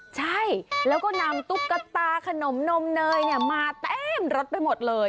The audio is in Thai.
ใช่แล้วก็นำตุ๊กตาขนมนมเนยมาเต็มรถไปหมดเลย